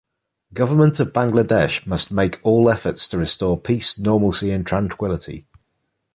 Government of Bangladesh must make all efforts to restore peace, normalcy and tranquility.